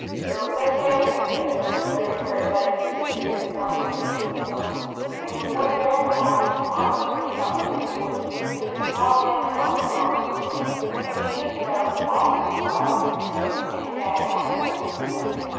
There was no sound beneath the upturned sled, where it lay just as it had been thrown against the wood pung, and for one dreadful moment Farmer Seeley thought the two boys to whom the small legs and arms belonged were dead, and he shook so his false teeth rattled in his head, and he sat right down in the snow.